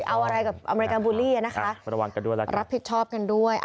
เอาอะไรกับอเมริกาบูลลี่อ่ะนะคะระวังกันด้วยแล้วกันรับผิดชอบกันด้วย